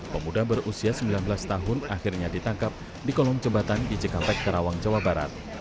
pemuda berusia sembilan belas tahun akhirnya ditangkap di kolom jembatan ijekalpek karawang jawa barat